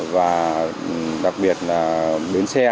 và đặc biệt là bến xe